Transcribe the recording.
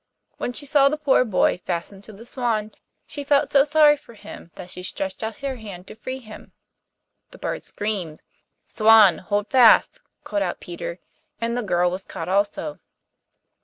When she saw the poor boy fastened to the swan she felt so sorry for him that she stretched out her hand to free him. The bird screamed. 'Swan, hold fast,' called out Peter, and the girl was caught also.